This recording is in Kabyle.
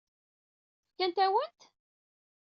Fkant-awen-t?